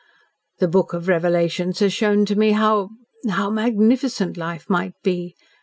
"The Book of Revelations has shown to me how how MAGNIFICENT life might be!"